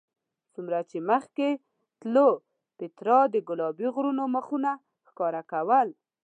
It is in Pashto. څومره چې مخکې تلو پیترا د ګلابي غرونو مخونه ښکاره کول.